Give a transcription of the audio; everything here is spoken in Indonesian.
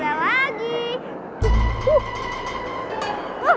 dasar monyet akal